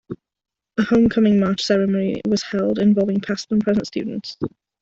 A Homecoming March ceremony was held involving past and present students.